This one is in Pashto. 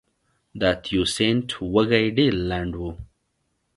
د تیوسینټ وږی ډېر لنډ و